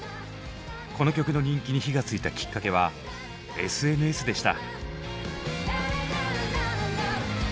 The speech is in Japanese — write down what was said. この曲の人気に火がついたきっかけはＳＮＳでした。